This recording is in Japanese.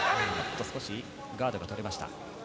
少しガードが取れました。